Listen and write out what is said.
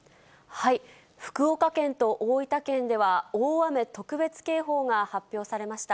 福岡県と大分県では、大雨特別警報が発表されました。